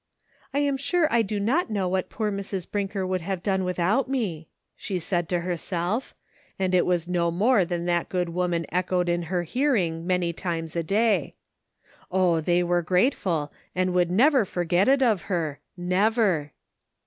" I am sure I do not know what poor Mrs. Brinker would have done with out me," she said to herself, and it was no more than that good woman echoed in her hearing many times a day. Oh, they were grateful, and would never forget it of her, never!